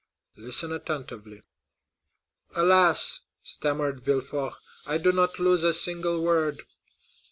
"Listen attentively." "Alas," stammered Villefort, "I do not lose a single word."